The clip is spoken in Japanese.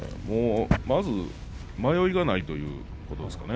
まず迷いがないということですね。